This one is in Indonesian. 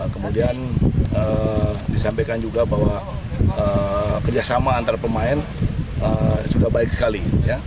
kemudian disampaikan juga bahwa kerjasama antar pemain sudah baik sekali